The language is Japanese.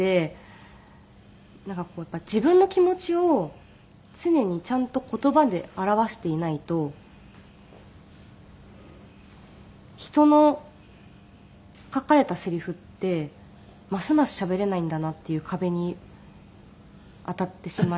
なんかこうやっぱり自分の気持ちを常にちゃんと言葉で表していないと人の書かれたセリフってますますしゃべれないんだなっていう壁に当たってしまい。